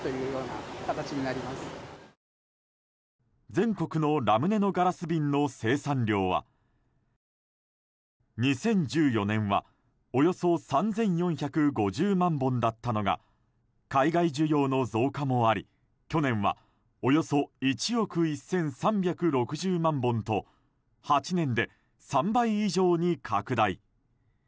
全国のラムネのガラス瓶の生産量は２０１４年はおよそ３４５０万本だったのが海外需要の増加もあり去年はおよそ１億１３６０万本と８年で３倍以上に拡大。